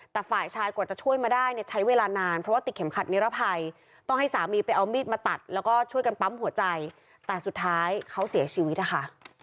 แต่ฝ่ายชายกว่าจะช่วยมาได้เนี่ยใช้เวลานานเพราะว่าติดเข็มขัดนิรภัยต้องให้สามีไปเอามีดมาตัดแล้วก็ช่วยกันปั๊มหัวใจแต่สุดท้ายเขาเสียชีวิตนะคะ